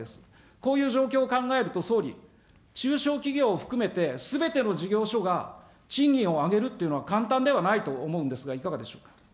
こういう状況を考えると、総理、中小企業を含めてすべての事業所が賃金を上げるというのは、簡単ではないと思うんですがいかがでしょうか。